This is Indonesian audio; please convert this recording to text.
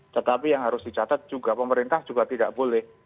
tetapi yang harus dicatat juga pemerintah juga tidak boleh